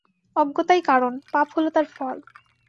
অজ্ঞতাই কারণ, পাপ হল তার ফল।